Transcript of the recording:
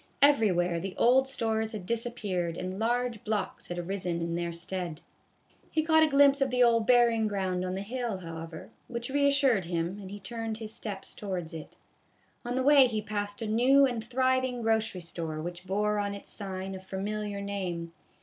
Everywhere the old stores had disappeared and large blocks had arisen in their stead. He caught a glimpse of the old burying ground on the hill, however, which reassured him, and he turned his steps towards it. On the way he passed a new and thriving grocery store which bore on its sign a familiar name.